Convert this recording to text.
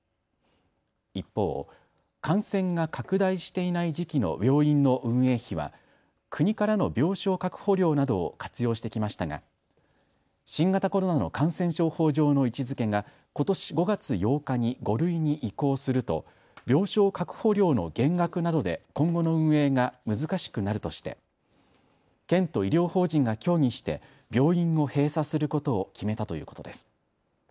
一方、感染が拡大していない時期の病院の運営費は国からの病床確保料などを活用してきましたが新型コロナの感染症法上の位置づけがことし５月８日に５類に移行すると病床確保料の減額などで今後の運営が難しくなるとして県と医療法人が協議して病院を閉鎖することを決めたということです。